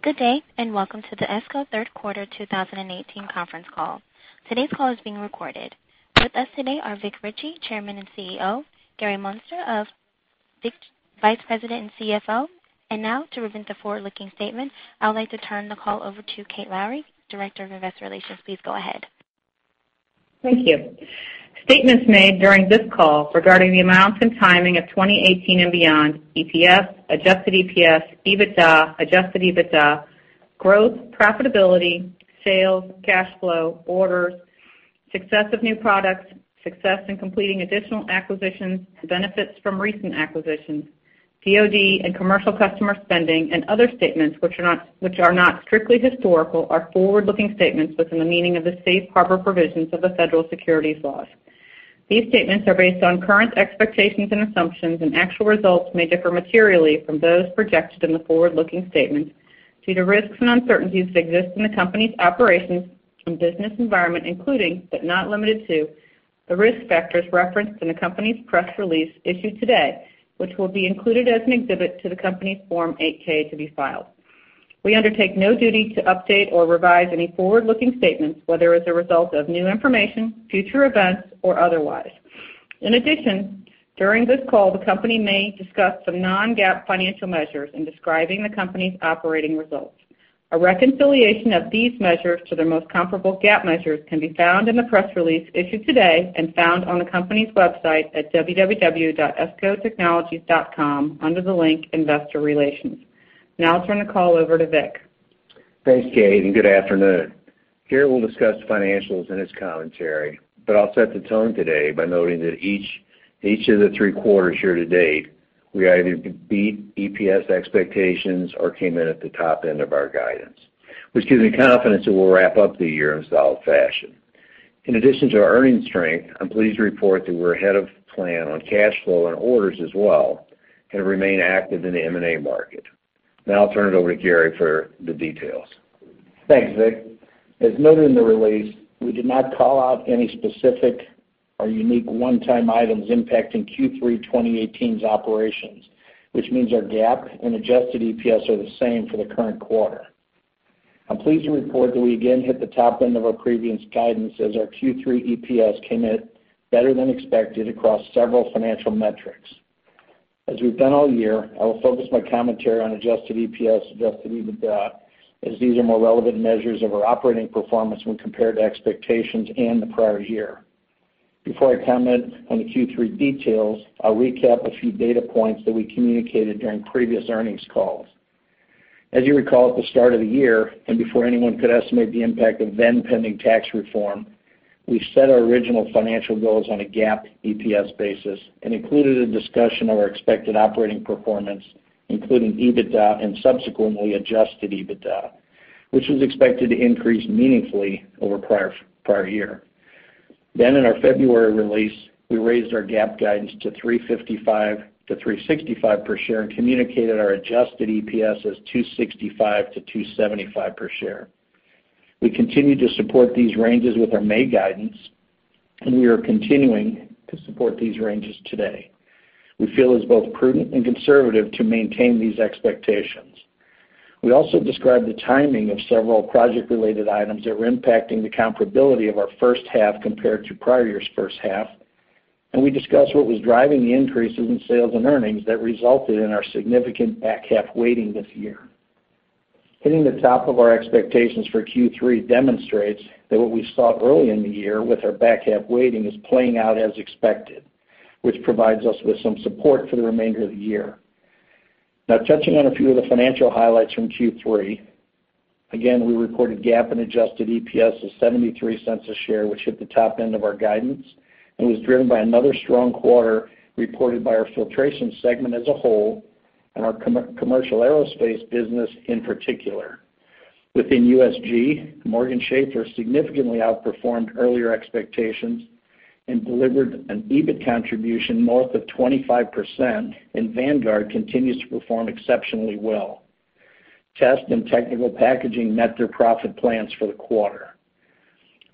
Good day and welcome to the ESCO Third Quarter 2018 conference call. Today's call is being recorded. With us today are Vic Richey, Chairman and CEO; Gary Muenster, our Vice President and CFO; and now, to present the forward-looking statement, I'd like to turn the call over to Kate Lowrey, Director of Investor Relations. Please go ahead. Thank you. Statements made during this call regarding the amounts and timing of 2018 and beyond: EPS, adjusted EPS, EBITDA, adjusted EBITDA; growth, profitability, sales, cash flow, orders; success of new products; success in completing additional acquisitions; benefits from recent acquisitions; DoD and commercial customer spending; and other statements which are not strictly historical, are forward-looking statements within the meaning of the safe harbor provisions of the federal securities laws. These statements are based on current expectations and assumptions, and actual results may differ materially from those projected in the forward-looking statements due to risks and uncertainties that exist in the company's operations and business environment, including, but not limited to, the risk factors referenced in the company's press release issued today, which will be included as an exhibit to the company's Form 8-K to be filed. We undertake no duty to update or revise any forward-looking statements, whether as a result of new information, future events, or otherwise. In addition, during this call, the company may discuss some non-GAAP financial measures in describing the company's operating results. A reconciliation of these measures to their most comparable GAAP measures can be found in the press release issued today and found on the company's website at www.escotechnologies.com under the link Investor Relations. Now I'll turn the call over to Vic. Thanks, Kate, and good afternoon. Gary will discuss financials in his commentary, but I'll set the tone today by noting that each of the three quarters here to date, we either beat EPS expectations or came in at the top end of our guidance, which gives me confidence that we'll wrap up the year in solid fashion. In addition to our earnings strength, I'm pleased to report that we're ahead of plan on cash flow and orders as well, and remain active in the M&A market. Now I'll turn it over to Gary for the details. Thanks, Vic. As noted in the release, we did not call out any specific or unique one-time items impacting Q3 2018's operations, which means our GAAP and adjusted EPS are the same for the current quarter. I'm pleased to report that we again hit the top end of our previous guidance as our Q3 EPS came in better than expected across several financial metrics. As we've done all year, I will focus my commentary on adjusted EPS, adjusted EBITDA, as these are more relevant measures of our operating performance when compared to expectations and the prior year. Before I comment on the Q3 details, I'll recap a few data points that we communicated during previous earnings calls. As you recall, at the start of the year and before anyone could estimate the impact of then-pending tax reform, we set our original financial goals on a GAAP EPS basis and included a discussion of our expected operating performance, including EBITDA and subsequently adjusted EBITDA, which was expected to increase meaningfully over prior year. Then, in our February release, we raised our GAAP guidance to $3.55-$3.65 per share and communicated our adjusted EPS as $2.65-$2.75 per share. We continue to support these ranges with our May guidance, and we are continuing to support these ranges today. We feel it's both prudent and conservative to maintain these expectations. We also described the timing of several project-related items that were impacting the comparability of our first half compared to prior year's first half, and we discussed what was driving the increases in sales and earnings that resulted in our significant back half weighting this year. Hitting the top of our expectations for Q3 demonstrates that what we saw early in the year with our back half weighting is playing out as expected, which provides us with some support for the remainder of the year. Now, touching on a few of the financial highlights from Q3, again, we reported GAAP and adjusted EPS of $0.73, which hit the top end of our guidance and was driven by another strong quarter reported by our filtration segment as a whole and our commercial aerospace business in particular. Within USG, Morgan Schaffer significantly outperformed earlier expectations and delivered an EBIT contribution north of 25%, and Vanguard continues to perform exceptionally well. Test and Technical packaging met their profit plans for the quarter.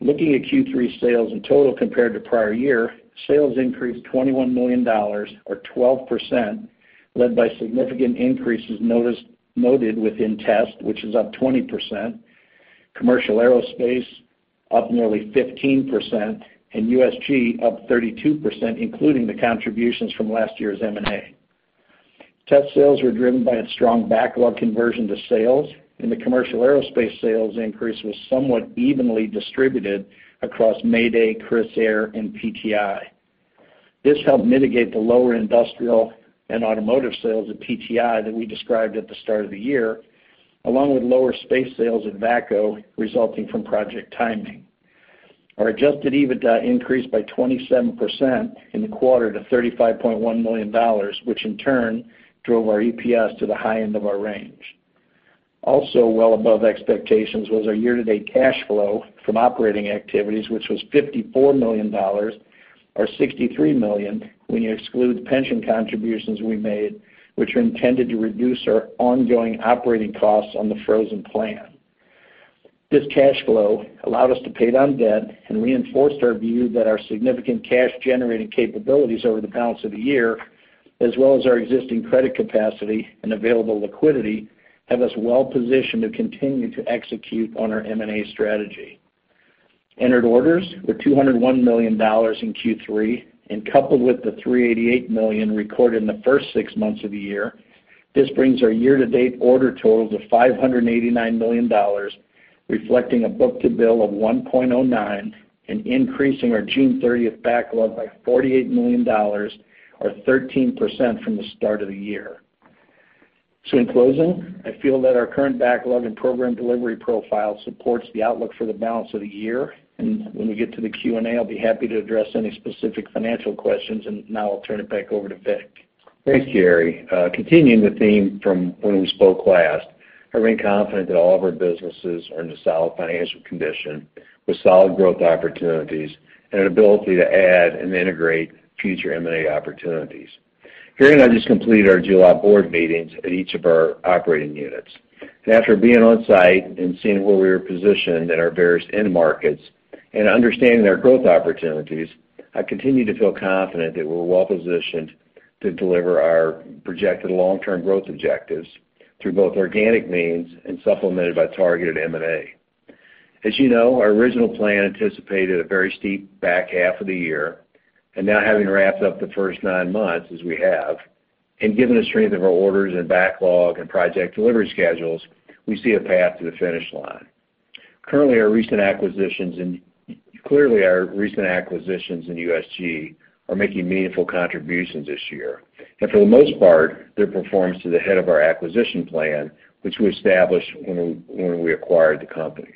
Looking at Q3 sales in total compared to prior year, sales increased $21 million or 12%, led by significant increases noted within Test, which is up 20%, commercial aerospace, up nearly 15%, and USG, up 32%, including the contributions from last year's M&A. Test sales were driven by a strong backlog conversion to sales, and the commercial aerospace sales increase was somewhat evenly distributed across Mayday, Crissair, and PTI. This helped mitigate the lower industrial and automotive sales at PTI that we described at the start of the year, along with lower space sales at VACCO resulting from project timing. Our adjusted EBITDA increased by 27% in the quarter to $35.1 million, which in turn drove our EPS to the high end of our range. Also, well above expectations was our year-to-date cash flow from operating activities, which was $54 million or $63 million when you exclude pension contributions we made, which are intended to reduce our ongoing operating costs on the frozen plan. This cash flow allowed us to pay down debt and reinforced our view that our significant cash-generating capabilities over the balance of the year, as well as our existing credit capacity and available liquidity, have us well positioned to continue to execute on our M&A strategy. Entered orders were $201 million in Q3, and coupled with the $388 million recorded in the first six months of the year, this brings our year-to-date order total to $589 million, reflecting a book-to-bill of 1.09 and increasing our June 30th backlog by $48 million or 13% from the start of the year. So, in closing, I feel that our current backlog and program delivery profile supports the outlook for the balance of the year, and when we get to the Q&A, I'll be happy to address any specific financial questions, and now I'll turn it back over to Vic. Thanks, Gary. Continuing the theme from when we spoke last, I remain confident that all of our businesses are in a solid financial condition with solid growth opportunities and an ability to add and integrate future M&A opportunities. Gary and I just completed our July board meetings at each of our operating units. After being on site and seeing where we were positioned in our various end markets and understanding our growth opportunities, I continue to feel confident that we're well positioned to deliver our projected long-term growth objectives through both organic means and supplemented by targeted M&A. As you know, our original plan anticipated a very steep back half of the year, and now having wrapped up the first nine months as we have, and given the strength of our orders and backlog and project delivery schedules, we see a path to the finish line. Currently, our recent acquisitions and clearly, our recent acquisitions in USG are making meaningful contributions this year, and for the most part, they're performing ahead of our acquisition plan, which we established when we acquired the companies.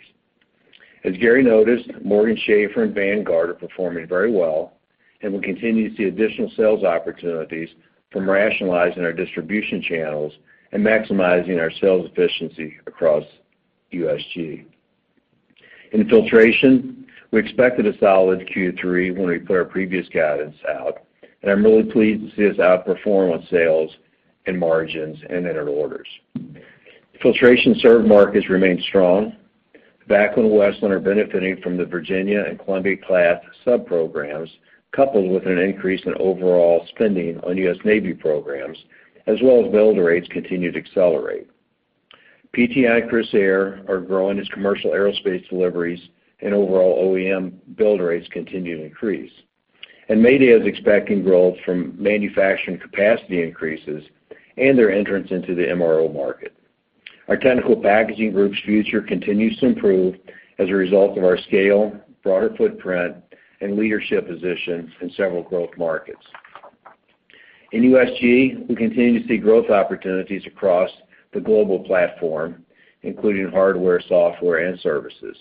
As Gary noticed, Morgan Schaffer and Vanguard are performing very well, and we continue to see additional sales opportunities from rationalizing our distribution channels and maximizing our sales efficiency across USG. In filtration, we expected a solid Q3 when we put our previous guidance out, and I'm really pleased to see us outperform on sales and margins and net orders. Filtration-served markets remain strong. VACCO and Westland are benefiting from the Virginia-class and Columbia-class subprograms, coupled with an increase in overall spending on U.S. Navy programs, as well as build rates that continue to accelerate. PTI and Crissair are growing as commercial aerospace deliveries and overall OEM build rates continue to increase, and Mayday is expecting growth from manufacturing capacity increases and their entrance into the MRO market. Our technical packaging group's future continues to improve as a result of our scale, broader footprint, and leadership positions in several growth markets. In USG, we continue to see growth opportunities across the global platform, including hardware, software, and services.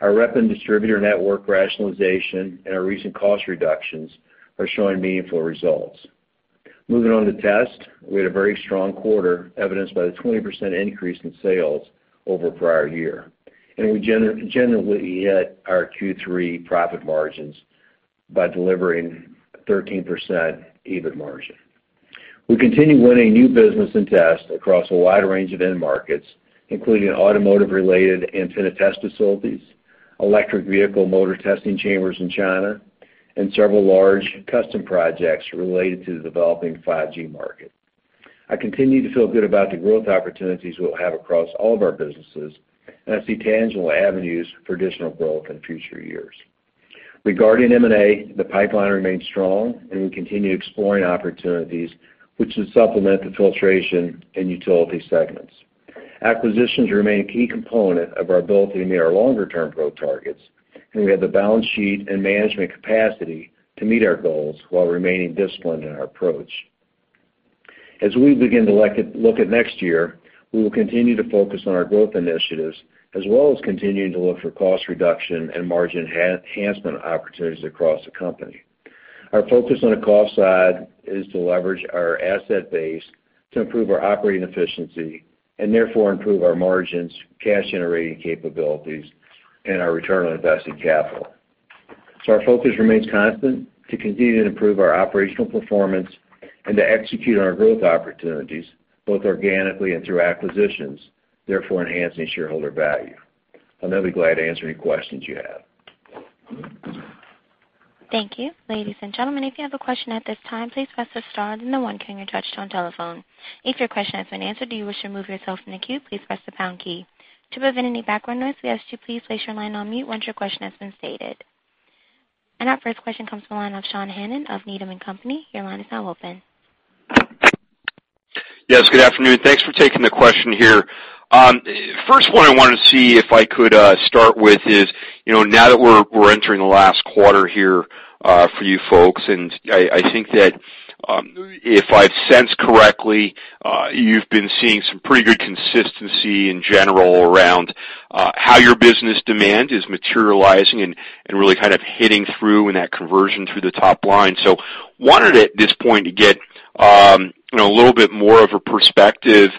Our rep and distributor network rationalization and our recent cost reductions are showing meaningful results. Moving on to Test, we had a very strong quarter, evidenced by the 20% increase in sales over prior year, and we generally hit our Q3 profit margins by delivering a 13% EBIT margin. We continue winning new business in Test across a wide range of end markets, including automotive-related antenna test facilities, electric vehicle motor testing chambers in China, and several large custom projects related to the developing 5G market. I continue to feel good about the growth opportunities we'll have across all of our businesses, and I see tangible avenues for additional growth in future years. Regarding M&A, the pipeline remains strong, and we continue exploring opportunities which would supplement the Filtration and Utility segments. Acquisitions remain a key component of our ability to meet our longer-term growth targets, and we have the balance sheet and management capacity to meet our goals while remaining disciplined in our approach. As we begin to look at next year, we will continue to focus on our growth initiatives, as well as continuing to look for cost reduction and margin enhancement opportunities across the company. Our focus on the cost side is to leverage our asset base to improve our operating efficiency and, therefore, improve our margins, cash-generating capabilities, and our return on invested capital. So our focus remains constant to continue to improve our operational performance and to execute on our growth opportunities, both organically and through acquisitions, therefore enhancing shareholder value. I'll be glad to answer any questions you have. Thank you. Ladies and gentlemen, if you have a question at this time, please press the star and then the 1 on your touchtone telephone. If your question has been answered and you wish to remove yourself from the queue, please press the pound key. To prevent any background noise, we ask you to please place your line on mute once your question has been stated. Our first question comes from the line of Sean Hannan of Needham & Company. Your line is now open. Yes. Good afternoon. Thanks for taking the question here. First one I wanted to see if I could start with is now that we're entering the last quarter here for you folks, and I think that if I've sensed correctly, you've been seeing some pretty good consistency in general around how your business demand is materializing and really kind of hitting through in that conversion through the top line. So wanted at this point to get a little bit more of a perspective,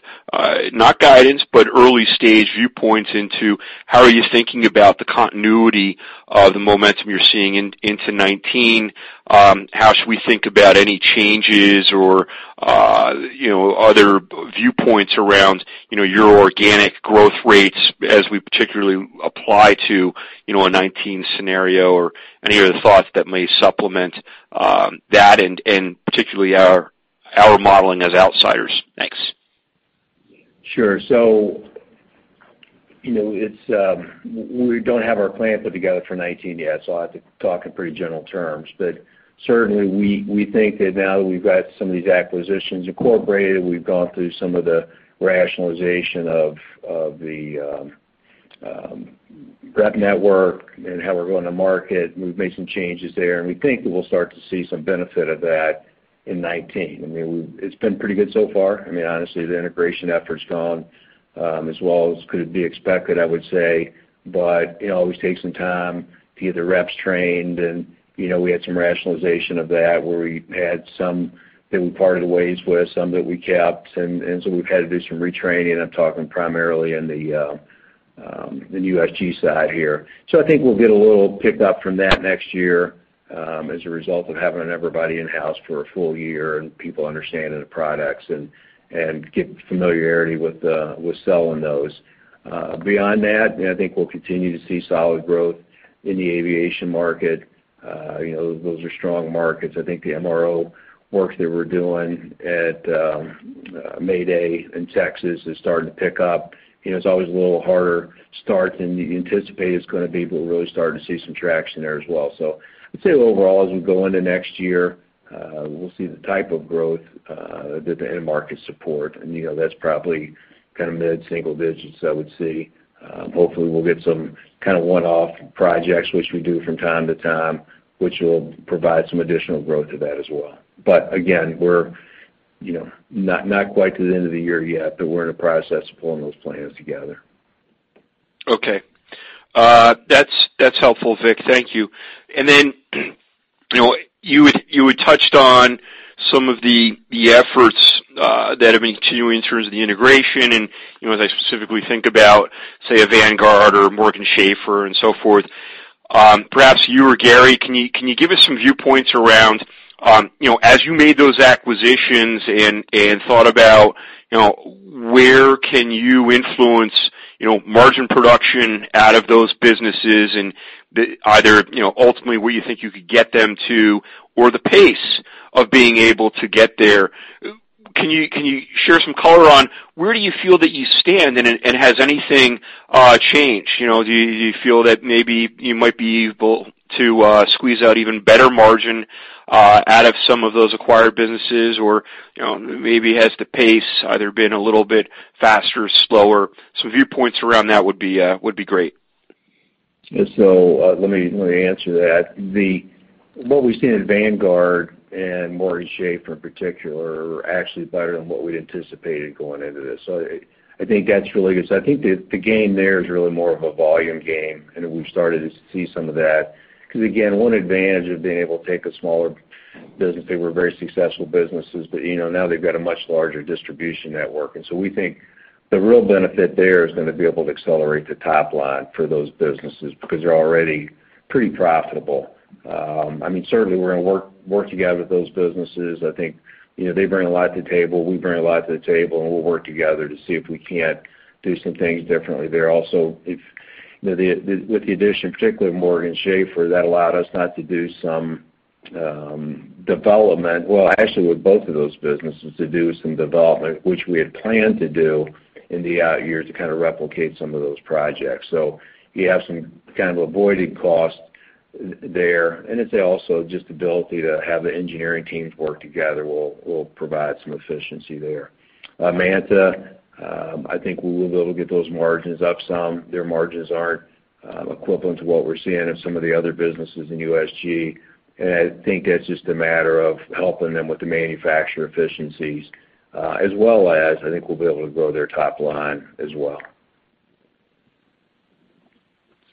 not guidance, but early-stage viewpoints into how are you thinking about the continuity of the momentum you're seeing into 2019? How should we think about any changes or other viewpoints around your organic growth rates as we particularly apply to a 2019 scenario or any other thoughts that may supplement that, and particularly our modeling as outsiders? Thanks. Sure. So we don't have our plan put together for 2019 yet, so I'll have to talk in pretty general terms. But certainly, we think that now that we've got some of these acquisitions incorporated, we've gone through some of the rationalization of the rep network and how we're going to market. We've made some changes there, and we think that we'll start to see some benefit of that in 2019. I mean, it's been pretty good so far. I mean, honestly, the integration effort's gone as well as could be expected, I would say, but it always takes some time to get the reps trained. And we had some rationalization of that where we had some that we parted ways with, some that we kept, and so we've had to do some retraining. I'm talking primarily on the USG side here. So I think we'll get a little pickup from that next year as a result of having everybody in-house for a full year and people understanding the products and getting familiarity with selling those. Beyond that, I think we'll continue to see solid growth in the aviation market. Those are strong markets. I think the MRO work that we're doing at Mayday in Texas is starting to pick up. It's always a little harder start than you anticipate it's going to be, but we're really starting to see some traction there as well. So I'd say overall, as we go into next year, we'll see the type of growth that the end markets support, and that's probably kind of mid-single digits I would see. Hopefully, we'll get some kind of one-off projects, which we do from time to time, which will provide some additional growth to that as well. But again, we're not quite to the end of the year yet, but we're in the process of pulling those plans together. Okay. That's helpful, Vic. Thank you. And then you had touched on some of the efforts that have been continuing in terms of the integration, and as I specifically think about, say, a Vanguard or Morgan Schaffer and so forth, perhaps you or Gary, can you give us some viewpoints around as you made those acquisitions and thought about where can you influence margin production out of those businesses and either ultimately where you think you could get them to or the pace of being able to get there? Can you share some color on where do you feel that you stand, and has anything changed? Do you feel that maybe you might be able to squeeze out even better margin out of some of those acquired businesses, or maybe has the pace either been a little bit faster or slower? Some viewpoints around that would be great. So let me answer that. What we've seen in Vanguard and Morgan Schaffer in particular are actually better than what we'd anticipated going into this. So I think that's really good. So I think the game there is really more of a volume game, and we've started to see some of that because, again, one advantage of being able to take a smaller business that were very successful businesses, but now they've got a much larger distribution network. And so we think the real benefit there is going to be able to accelerate the top line for those businesses because they're already pretty profitable. I mean, certainly, we're going to work together with those businesses. I think they bring a lot to the table. We bring a lot to the table, and we'll work together to see if we can't do some things differently there. Also, with the addition, particularly of Morgan Schaffer, that allowed us not to do some development well, actually, with both of those businesses, to do some development, which we had planned to do in the out-year to kind of replicate some of those projects. So you have some kind of avoided cost there, and I'd say also just the ability to have the engineering teams work together will provide some efficiency there. Manta, I think we will be able to get those margins up some. Their margins aren't equivalent to what we're seeing of some of the other businesses in USG, and I think that's just a matter of helping them with the manufacturer efficiencies, as well as I think we'll be able to grow their top line as well.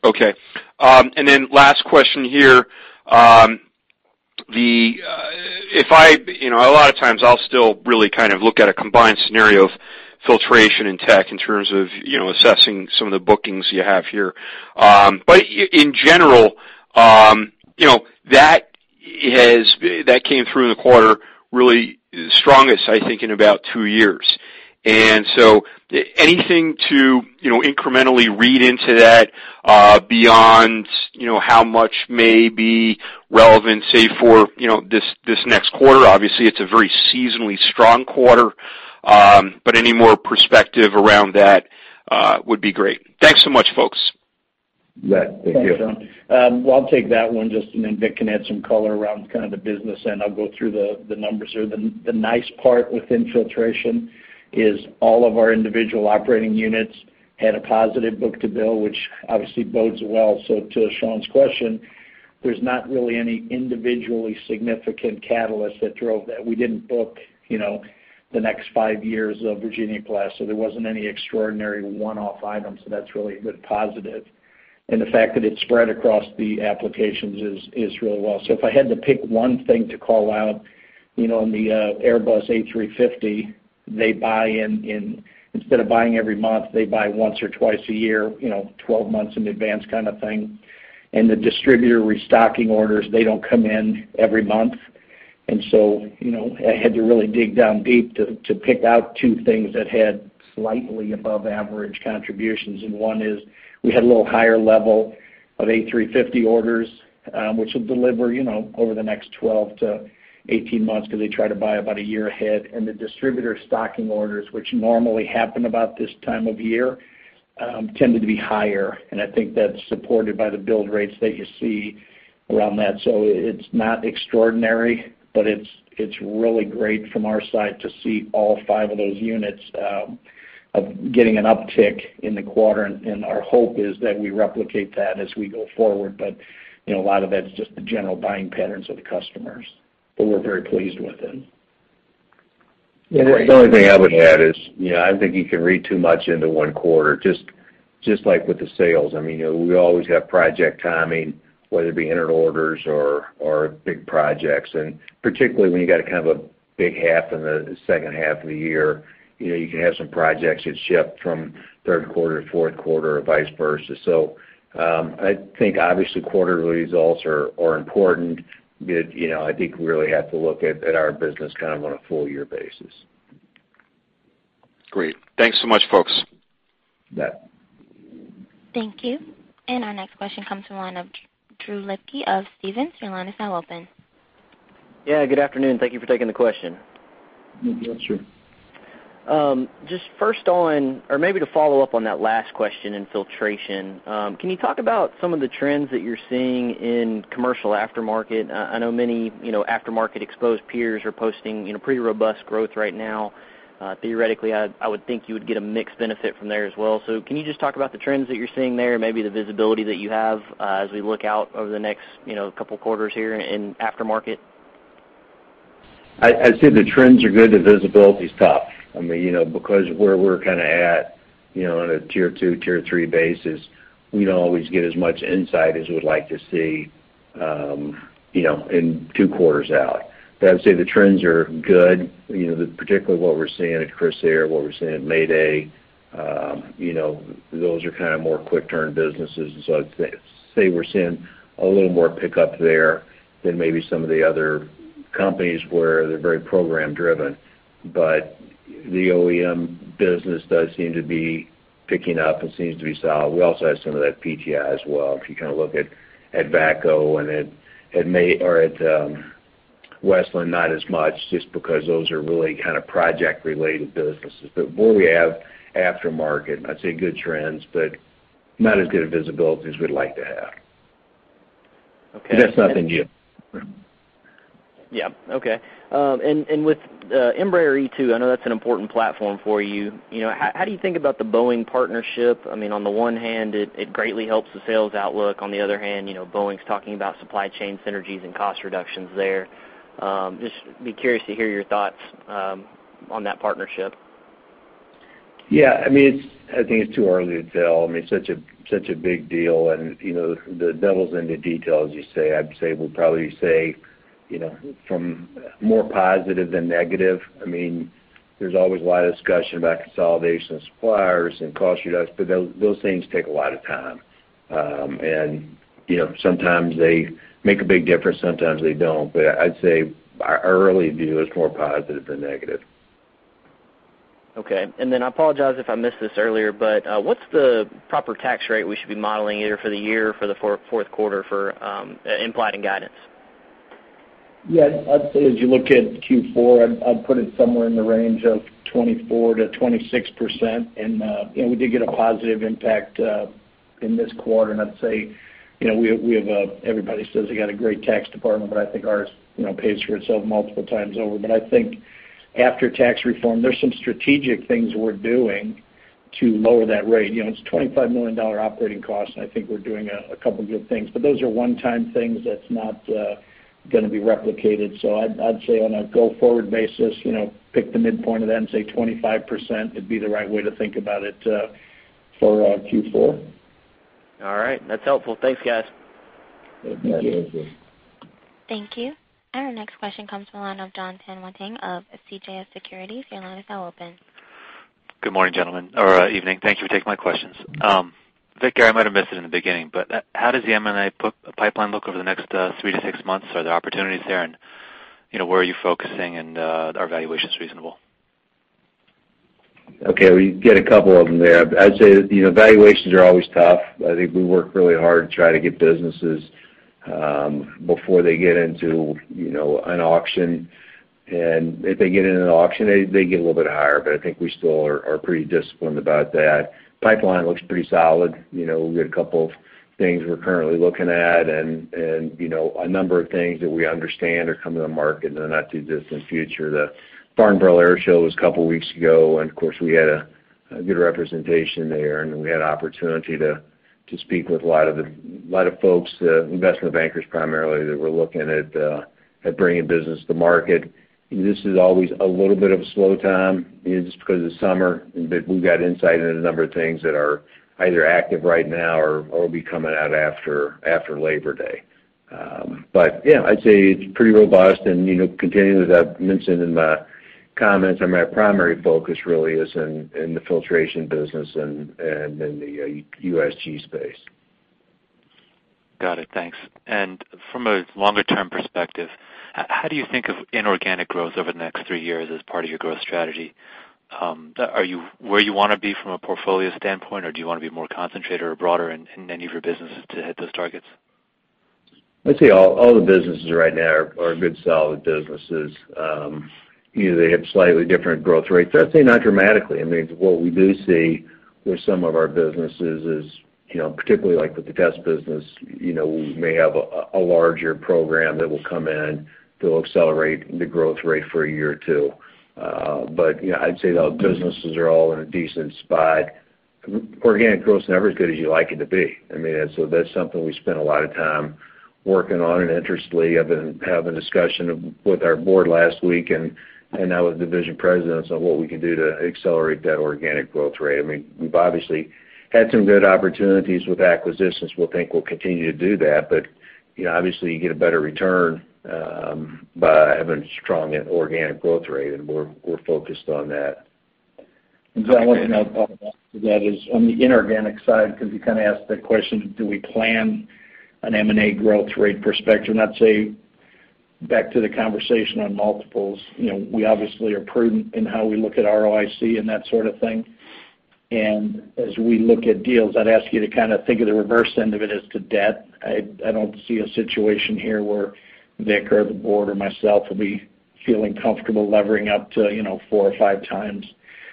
Okay. And then last question here. A lot of times, I'll still really kind of look at a combined scenario of filtration and tech in terms of assessing some of the bookings you have here. But in general, that came through in the quarter really strongest, I think, in about two years. And so anything to incrementally read into that beyond how much may be relevant, say, for this next quarter? Obviously, it's a very seasonally strong quarter, but any more perspective around that would be great. Thanks so much, folks. Right. Thank you. Thanks, Sean. Well, I'll take that one just and then Vic can add some color around kind of the business, and I'll go through the numbers here. The nice part within filtration is all of our individual operating units had a positive book-to-bill, which obviously bodes well. So to Sean's question, there's not really any individually significant catalyst that drove that. We didn't book the next five years of Virginia-class, so there wasn't any extraordinary one-off items, so that's really a good positive. And the fact that it spread across the applications is really well. So if I had to pick one thing to call out, on the Airbus A350, they buy in instead of buying every month, they buy once or twice a year, 12 months in advance kind of thing. And the distributor restocking orders, they don't come in every month. So I had to really dig down deep to pick out two things that had slightly above-average contributions. One is we had a little higher level of A350 orders, which will deliver over the next 12-18 months because they try to buy about a year ahead. The distributor stocking orders, which normally happen about this time of year, tended to be higher, and I think that's supported by the build rates that you see around that. It's not extraordinary, but it's really great from our side to see all five of those units getting an uptick in the quarter. Our hope is that we replicate that as we go forward, but a lot of that's just the general buying patterns of the customers that we're very pleased with. Yeah. The only thing I would add is I don't think you can read too much into one quarter, just like with the sales. I mean, we always have project timing, whether it be entered orders or big projects. And particularly when you got kind of a big half in the second half of the year, you can have some projects that ship from third quarter to fourth quarter or vice versa. So I think, obviously, quarterly results are important, but I think we really have to look at our business kind of on a full-year basis. Great. Thanks so much, folks. Right. Thank you. Our next question comes from the line of Drew Lipke of Stephens. Your line is now open. Yeah. Good afternoon. Thank you for taking the question. Yes, sir. Just first on or maybe to follow up on that last question in Filtration, can you talk about some of the trends that you're seeing in commercial aftermarket? I know many aftermarket exposed peers are posting pretty robust growth right now. Theoretically, I would think you would get a mixed benefit from there as well. So can you just talk about the trends that you're seeing there and maybe the visibility that you have as we look out over the next couple of quarters here in aftermarket? I'd say the trends are good. The visibility's tough. I mean, because where we're kind of at on a tier two, tier three basis, we don't always get as much insight as we'd like to see in two quarters out. But I'd say the trends are good, particularly what we're seeing at Crissair, what we're seeing at Mayday. Those are kind of more quick-turn businesses, and so I'd say we're seeing a little more pickup there than maybe some of the other companies where they're very program-driven. But the OEM business does seem to be picking up and seems to be solid. We also have some of that PTI as well. If you kind of look at VACCO and at Westland, not as much, just because those are really kind of project-related businesses. But where we have aftermarket, I'd say good trends, but not as good a visibility as we'd like to have. That's nothing new. Yeah. Okay. With Embraer E2, I know that's an important platform for you. How do you think about the Boeing partnership? I mean, on the one hand, it greatly helps the sales outlook. On the other hand, Boeing's talking about supply chain synergies and cost reductions there. Just be curious to hear your thoughts on that partnership. Yeah. I mean, I think it's too early to tell. I mean, it's such a big deal, and the devil's in the detail, as you say. I'd say we'd probably say from more positive than negative. I mean, there's always a lot of discussion about consolidation of suppliers and cost reduction, but those things take a lot of time. And sometimes they make a big difference. Sometimes they don't. But I'd say our early view is more positive than negative. Okay. And then I apologize if I missed this earlier, but what's the proper tax rate we should be modeling either for the year or for the fourth quarter for implied and guidance? Yeah. I'd say as you look at Q4, I'd put it somewhere in the range of 24%-26%. And we did get a positive impact in this quarter. And I'd say we have a, everybody says they got a great tax department, but I think ours pays for itself multiple times over. But I think after tax reform, there's some strategic things we're doing to lower that rate. It's $25 million operating costs, and I think we're doing a couple of good things, but those are one-time things that's not going to be replicated. So I'd say on a go-forward basis, pick the midpoint of that and say 25% would be the right way to think about it for Q4. All right. That's helpful. Thanks, guys. Thank you. Thank you. Our next question comes from the line of Jon Tanwanteng of CJS Securities. Your line is now open. Good morning, gentlemen, or evening. Thank you for taking my questions. Vic, Gary, I might have missed it in the beginning, but how does the M&A pipeline look over the next three to six months? Are there opportunities there, and where are you focusing, and are valuations reasonable? Okay. We get a couple of them there. I'd say valuations are always tough. I think we work really hard to try to get businesses before they get into an auction. If they get into an auction, they get a little bit higher, but I think we still are pretty disciplined about that. Pipeline looks pretty solid. We've got a couple of things we're currently looking at and a number of things that we understand are coming to market in the not-too-distant future. The Farnborough Air Show was a couple of weeks ago, and of course, we had a good representation there, and we had an opportunity to speak with a lot of folks, investment bankers primarily, that were looking at bringing business to market. This is always a little bit of a slow time just because it's summer, but we've got insight into a number of things that are either active right now or will be coming out after Labor Day. But yeah, I'd say it's pretty robust. And continuing with what I mentioned in my comments, I mean, our primary focus really is in the filtration business and in the USG space. Got it. Thanks. From a longer-term perspective, how do you think of inorganic growth over the next three years as part of your growth strategy? Are you where you want to be from a portfolio standpoint, or do you want to be more concentrated or broader in any of your businesses to hit those targets? I'd say all the businesses right now are good, solid businesses. They have slightly different growth rates, but I'd say not dramatically. I mean, what we do see with some of our businesses is particularly with the test business, we may have a larger program that will come in that will accelerate the growth rate for a year or two. But I'd say those businesses are all in a decent spot. Organic growth's never as good as you'd like it to be. I mean, so that's something we spend a lot of time working on and interestingly. I've been having a discussion with our board last week, and I was the division president, so what we can do to accelerate that organic growth rate. I mean, we've obviously had some good opportunities with acquisitions. We think we'll continue to do that, but obviously, you get a better return by having a strong organic growth rate, and we're focused on that. So I wanted to add to that is on the inorganic side, because you kind of asked that question, do we plan an M&A growth rate perspective? I'd say back to the conversation on multiples, we obviously are prudent in how we look at ROIC and that sort of thing. As we look at deals, I'd ask you to kind of think of the reverse end of it as to debt. I don't see a situation here where Vic or the board or myself will be feeling comfortable levering up to 4x or 5x.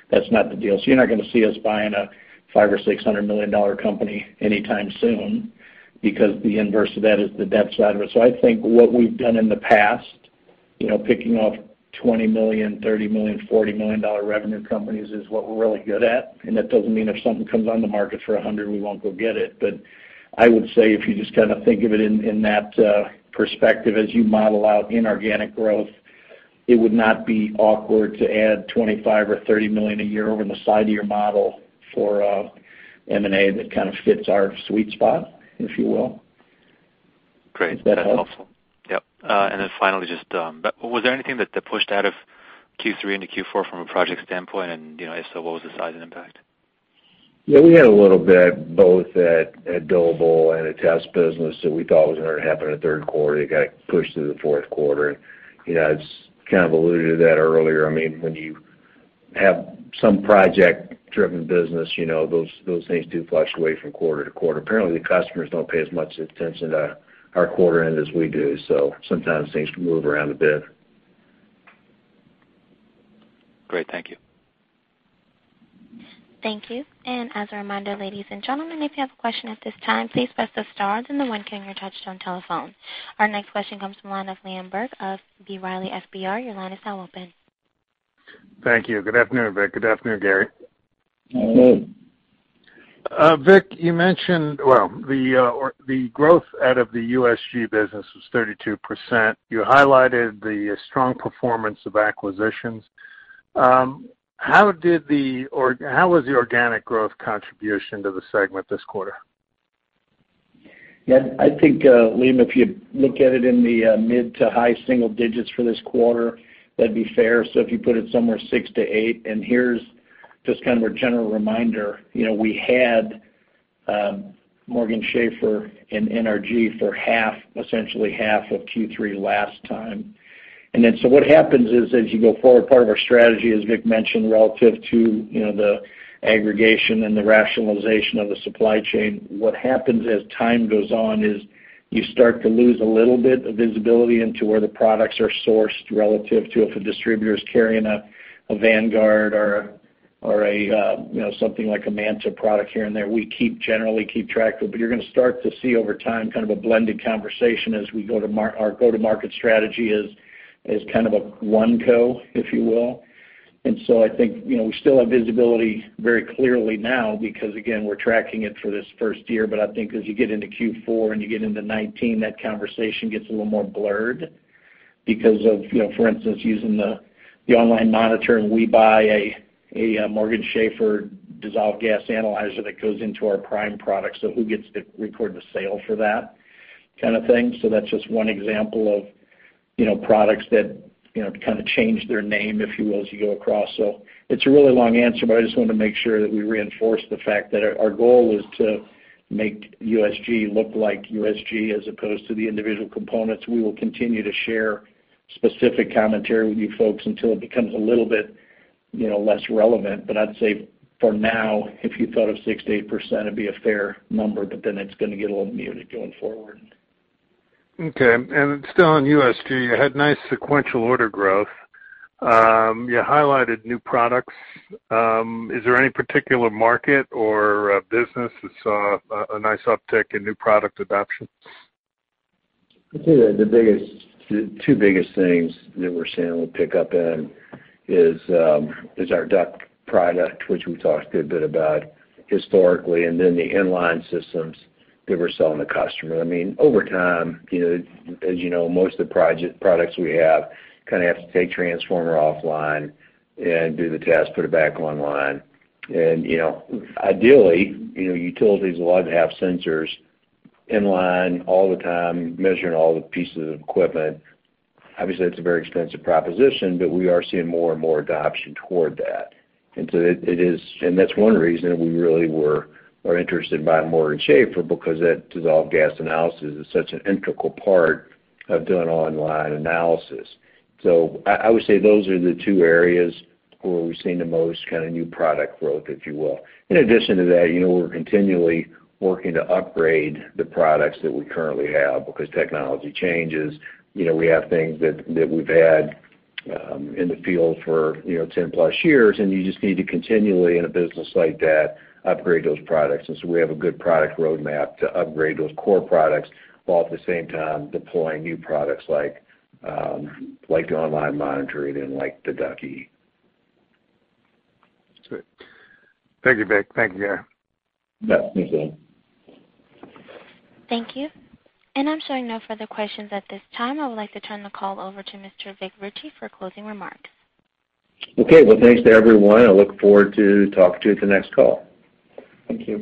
That's not the deal. You're not going to see us buying a $500 million or $600 million company anytime soon because the inverse of that is the debt side of it. I think what we've done in the past, picking off $20 million, $30 million, $40 million revenue companies, is what we're really good at. That doesn't mean if something comes on the market for $100 million, we won't go get it. I would say if you just kind of think of it in that perspective as you model out inorganic growth, it would not be awkward to add $25 million or $30 million a year over on the side of your model for M&A that kind of fits our sweet spot, if you will. Great. That's helpful. Yep. Then finally, just, was there anything that pushed out of Q3 into Q4 from a project standpoint? If so, what was the size and impact? Yeah. We had a little bit both at Doble and at Test Business that we thought was going to happen in the third quarter. They got it pushed through the fourth quarter. I just kind of alluded to that earlier. I mean, when you have some project-driven business, those things do fluctuate from quarter to quarter. Apparently, the customers don't pay as much attention to our quarter end as we do, so sometimes things can move around a bit. Great. Thank you. Thank you. As a reminder, ladies and gentlemen, if you have a question at this time, please press star one on your touch-tone telephone. Our next question comes from the line of Liam Burke of B. Riley FBR. Your line is now open. Thank you. Good afternoon, Vic. Good afternoon, Gary. Hey. Vic, you mentioned well, the growth out of the USG business was 32%. You highlighted the strong performance of acquisitions. How was the organic growth contribution to the segment this quarter? Yeah. I think, Liam, if you look at it in the mid- to high-single digits for this quarter, that'd be fair. So if you put it somewhere six to eight and here's just kind of a general reminder. We had Morgan Schaffer and NRG for half, essentially half of Q3 last time. And then so what happens is as you go forward, part of our strategy, as Vic mentioned, relative to the aggregation and the rationalization of the supply chain, what happens as time goes on is you start to lose a little bit of visibility into where the products are sourced relative to if a distributor is carrying a Vanguard or something like a Manta product here and there. We generally keep track of it, but you're going to start to see over time kind of a blended conversation as we go to market. Our go-to-market strategy is kind of a one-co, if you will. So I think we still have visibility very clearly now because, again, we're tracking it for this first year. But I think as you get into Q4 and you get into 2019, that conversation gets a little more blurred because of, for instance, using the online monitor, and we buy a Morgan Schaffer dissolved gas analyzer that goes into our prime product. So who gets to record the sale for that kind of thing? So that's just one example of products that kind of change their name, if you will, as you go across. So it's a really long answer, but I just wanted to make sure that we reinforce the fact that our goal is to make USG look like USG as opposed to the individual components. We will continue to share specific commentary with you folks until it becomes a little bit less relevant. But I'd say for now, if you thought of 6%-8%, it'd be a fair number, but then it's going to get a little muted going forward. Okay. Still on USG, you had nice sequential order growth. You highlighted new products. Is there any particular market or business that saw a nice uptick in new product adoption? I'd say the two biggest things that we're seeing a little pickup in is our DUC product, which we talked a good bit about historically, and then the inline systems that we're selling to customers. I mean, over time, as you know, most of the products we have kind of have to take transformer offline and do the task, put it back online. Ideally, utilities would like to have sensors inline all the time, measuring all the pieces of equipment. Obviously, that's a very expensive proposition, but we are seeing more and more adoption toward that. And so it is, and that's one reason we really were interested in buying Morgan Schaffer because that dissolved gas analysis is such an integral part of doing online analysis. So I would say those are the two areas where we've seen the most kind of new product growth, if you will. In addition to that, we're continually working to upgrade the products that we currently have because technology changes. We have things that we've had in the field for 10+ years, and you just need to continually, in a business like that, upgrade those products. And so we have a good product roadmap to upgrade those core products while at the same time deploying new products like the online monitoring and the DUC. That's great. Thank you, Vic. Thank you, Gary. Yeah. Thanks, Liam. Thank you. I'm showing no further questions at this time. I would like to turn the call over to Mr. Vic Richey for closing remarks. Okay. Well, thanks to everyone. I look forward to talking to you at the next call. Thank you.